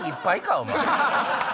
お前。